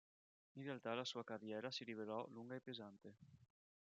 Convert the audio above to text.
In realtà la sua carriera si rivelò lunga e pesante.